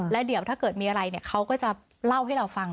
แล้วเดี๋ยวถ้าเกิดมีอะไรเขาก็จะเล่าให้เราฟัง